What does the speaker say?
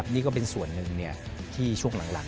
นี่ก็เป็นส่วนหนึ่งที่ช่วงหลัง